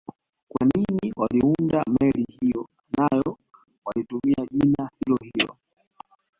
Kwa nini waliounda meli hiyo nao walitumia jina hilohilo